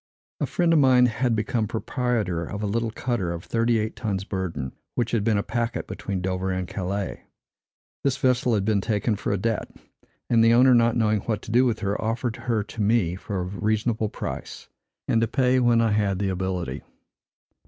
A friend of mine had become proprietor of a little cutter of thirty eight tons burden, which had been a packet between Dover and Calais. This vessel had been taken for a debt; and the owner, not knowing what to do with her, offered her to me for a reasonable price, and to pay when I had the ability.